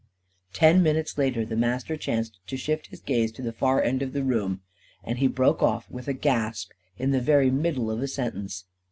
Ten minutes later the Master chanced to shift his gaze to the far end of the room. And he broke off, with a gasp, in the very middle of a sentence.